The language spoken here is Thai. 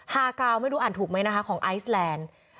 ฮากาวไม่รู้อ่านถูกไหมนะคะของไอซแลนด์